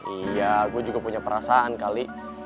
iya gue juga punya perasaan kali